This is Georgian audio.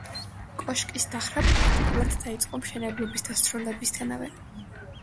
კოშკის დახრა პრაქტიკულად დაიწყო მშენებლობის დასრულებისთანავე.